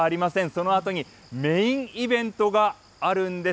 そのあとにメインイベントがあるんです。